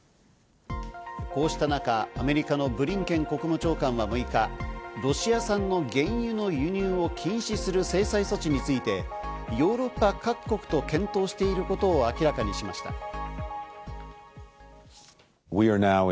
こうした中、アメリカのブリンケン国務長官は６日、ロシア産の原油の輸入を禁止する制裁措置についてヨーロッパ各国と検討していることを明らかにしました。